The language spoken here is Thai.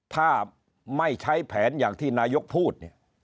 ถ้าไม่ใช้แผนอย่างที่นายกพูดเนี่ย